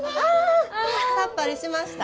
さっぱりしました？